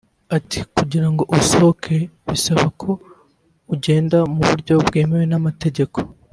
Ati “Kugira ngo usohoke bisaba ko ugenda mu buryo bwemewe n’amategeko